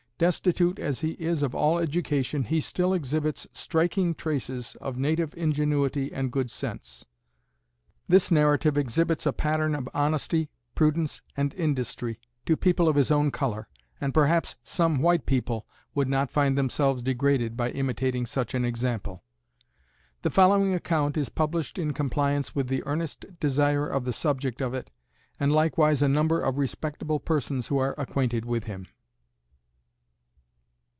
Destitute as he is of all education, he still exhibits striking traces of native ingenuity and good sense. This narrative exhibits a pattern of honesty, prudence, and industry, to people of his own colour; and perhaps some white people would not find themselves degraded by imitating such an example. The following account is published in compliance with the earnest desire of the subject of it, and likewise a number of respectable persons who are acquainted with him.